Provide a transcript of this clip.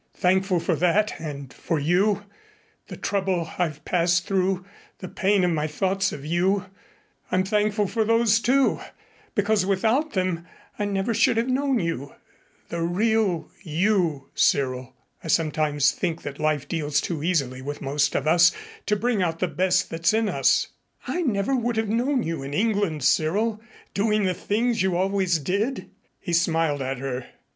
"Thankful for that and for you the trouble I've passed through the pain of my thoughts of you I'm thankful for those too, because without them I never should have known you the real you, Cyril. I sometimes think that life deals too easily with most of us to bring out the best that's in us. I never would have known you in England, Cyril, doing the things you always did." He smiled at her.